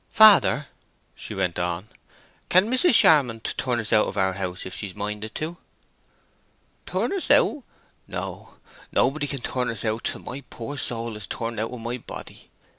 "Father," she went on, "can Mrs. Charmond turn us out of our house if she's minded to?" "Turn us out? No. Nobody can turn us out till my poor soul is turned out of my body.